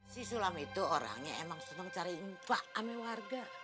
si sulam itu orangnya emang senang cari impak sama warga